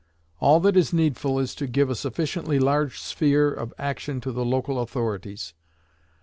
All that is needful is to give a sufficiently large sphere of action to the local authorities.